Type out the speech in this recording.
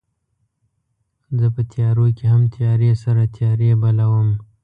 زه په تیارو کې هم تیارې سره تیارې بلوم